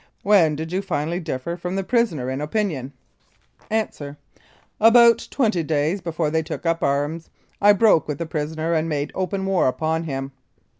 When did you finally differ from the prisoner in opinion ? 202 | I Louis Kiel: Executed for Treason A. About twenty days before they took up arms. I broke with the prisoner and made open war upon him. Q.